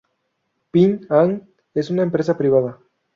Ping An es una empresa privada.